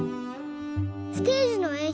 ステージのえん